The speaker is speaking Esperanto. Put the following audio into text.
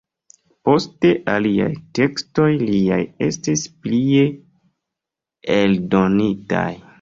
Poste aliaj tekstoj liaj estis plie eldonitaj.